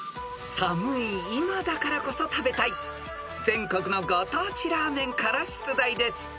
［寒い今だからこそ食べたい全国のご当地ラーメンから出題です］